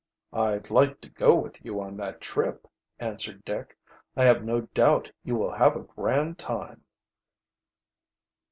"I'd like to go with you on that trip," answered Dick. "I have no doubt you will have a grand time."